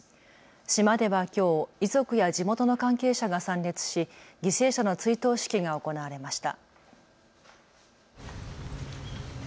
島ではきょう、遺族や地元の関係者が参列し犠牲者の追悼式が行われました。